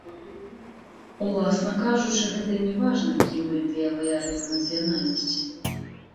Уласна кажучы, гэта і не важна, кім былі тыя ваяры па нацыянальнасці.